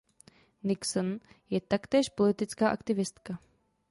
Nixon je taktéž politická aktivistka.